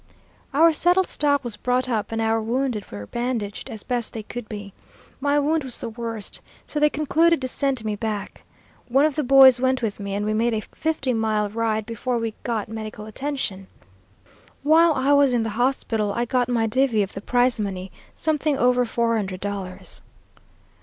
"Our saddle stock was brought up, and our wounded were bandaged as best they could be. My wound was the worst, so they concluded to send me back. One of the boys went with me, and we made a fifty mile ride before we got medical attention. While I was in the hospital I got my divvy of the prize money, something over four hundred dollars."